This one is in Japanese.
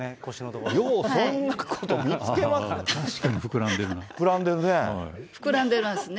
ようそんなこと見つけますね。